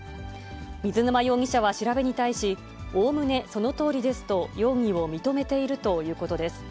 水沼容疑者は調べに対し、おおむねそのとおりですと、容疑を認めているということです。